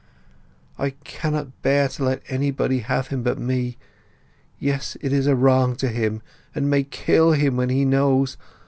"I can't bear to let anybody have him but me! Yet it is a wrong to him, and may kill him when he knows!